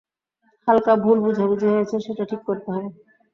হালকা ভুল বুঝাবুঝি হয়েছে, সেটা ঠিক করতে হবে।